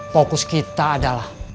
fokus kita adalah